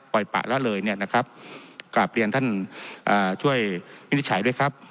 ปล่อยปะละเลยเนี่ยนะครับกราบเรียนท่านช่วยวินิจฉัยด้วยครับ